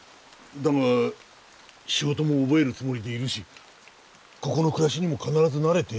だが仕事も覚えるつもりでいるしここの暮らしにも必ず慣れて。